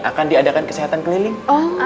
akan diadakan kesehatan keliling